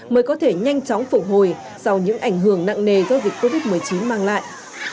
mới có thể nhanh chóng phục hồi sau những ảnh hưởng nặng nề do dịch covid một mươi chín mang lại